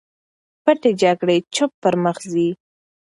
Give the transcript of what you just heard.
پټې جګړې چوپ پر مخ ځي.